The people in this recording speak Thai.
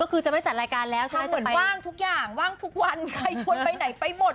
ก็คือจะไม่จัดรายการแล้วทำเหมือนว่างทุกอย่างว่างทุกวันใครชวนไปไหนไปหมด